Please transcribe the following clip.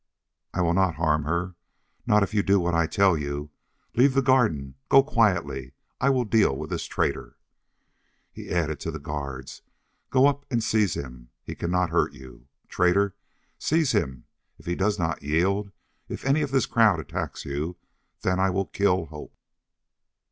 "I will not harm her! Not if you do what I tell you! Leave the garden go quietly! I will deal with this traitor!" He added to the guards, "Go up and seize him! He cannot hurt you! Traitor! Seize him! If he does not yield if any of this crowd attacks you then I will kill Hope."